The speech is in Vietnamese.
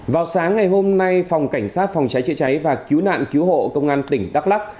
vào sáng ngày hôm nay phòng cảnh sát phòng cháy chữa cháy và cứu nạn cứu hộ công an tỉnh đắk lắc